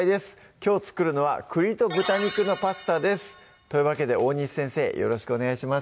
きょう作るのは「栗と豚肉のパスタ」ですというわけで大西先生よろしくお願いします